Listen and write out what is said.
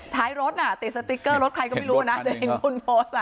ท้ายรถติดสติ๊กเกอร์รถใครก็ไม่รู้นะจะเห็นคุณโพสต์